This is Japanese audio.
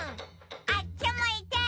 あっちむいて。